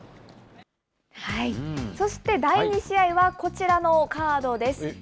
そして、第２試合はこちらのカードです。